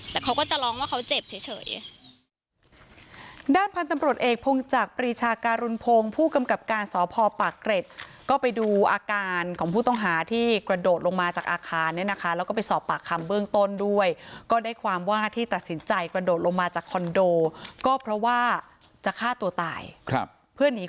แต่เขาก็จะร้องว่าเขาเจ็บเฉย